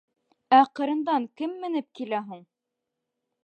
— Ә ҡырындан кем менеп килә һуң?